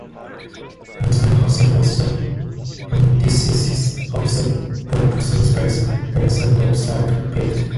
Munson herself was the antithesis of the voluptuous Belle: freckled and of slight build.